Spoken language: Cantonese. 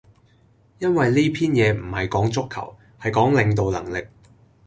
因為呢篇嘢唔係講足球，係講領導能力